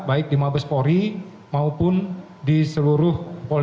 baik di mabespori maupun di seluruh polda